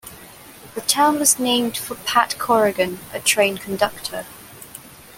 The town was named for Pat Corrigan, a train conductor.